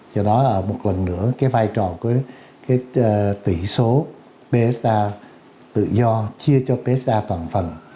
do đó một lần nữa cái vai trò của cái tỷ số psa tự do chia cho psa toàn phần